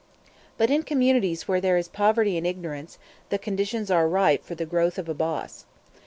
But in communities where there is poverty and ignorance, the conditions are ripe for the growth of a boss.